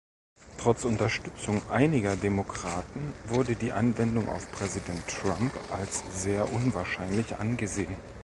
Trotz Unterstützung einiger Demokraten wurde die Anwendung auf Präsident Trump als sehr unwahrscheinlich angesehen.